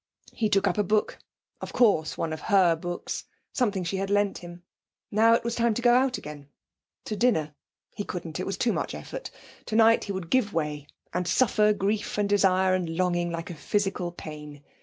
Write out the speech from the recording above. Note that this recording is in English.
He took up a book of course one of her books, something she had lent him. Now it was time to go out again to dinner. He couldn't; it was too much effort. Tonight he would give way, and suffer grief and desire and longing like a physical pain.